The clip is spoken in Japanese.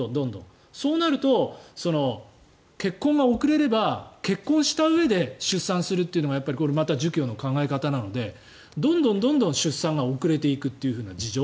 そうなると、結婚が遅れれば結婚したうえで出産するというのがまた儒教の考え方なのでどんどん出産が遅れていくという事情。